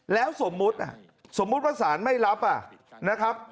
แล้วสมมุติว่าสารไม่รับนะครับ